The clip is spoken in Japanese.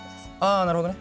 ああなるほどね。